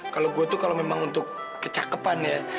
kalo gue tuh kalo memang untuk kecakepan ya